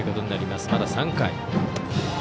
まだ３回。